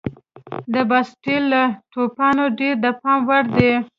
د باسټیل له توپانه ډېر د پام وړ دي.